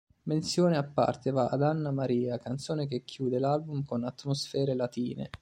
Menzione a parte va ad "Anna Maria", canzone che chiude l'album con atmosfere latine.